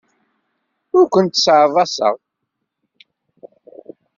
Ur kent-sseɛḍaseɣ.